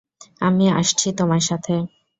আমি আসছি তোমার সাথে।